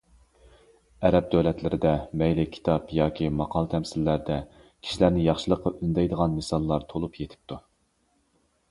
ئەرەب دۆلەتلىرىدە، مەيلى كىتاب ياكى ماقال- تەمسىللەردە، كىشىلەرنى ياخشىلىققا ئۈندەيدىغان مىساللار تولۇپ يېتىپتۇ.